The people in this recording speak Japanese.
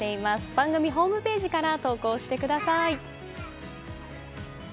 番組ホームページから投稿してください。